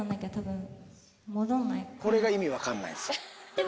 これが意味分かんないんすよ。